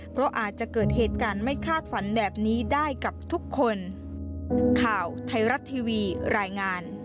เพราะอาจจะเกิดเหตุการณ์ไม่คาดฝันแบบนี้ได้กับทุกคน